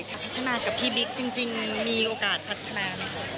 พัฒนากับพี่บิ๊กจริงมีโอกาสพัฒนาไหมคะ